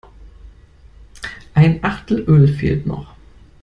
Ein Achtel Öl fehlt noch.